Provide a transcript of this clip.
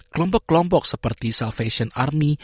kelompok kelompok seperti salvation army